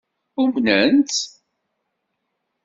Umnent-t.